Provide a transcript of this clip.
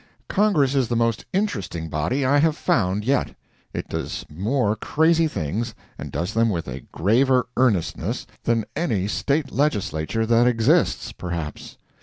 Congress is the most interesting body I have found yet. It does more crazy things, and does them with a graver earnestness, than any State Legislature that exists, perhaps.